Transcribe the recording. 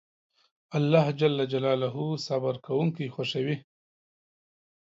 الله جل جلاله صبر کونکي خوښوي